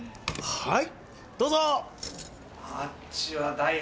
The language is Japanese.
はい！